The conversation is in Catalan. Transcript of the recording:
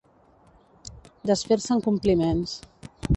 Desfer-se en compliments.